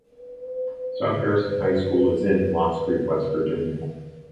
South Harrison High School is in Lost Creek, West Virginia.